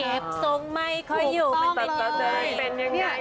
เก็บทรงไม่ค่อยอยู่มันจะเจอเป็นยังไง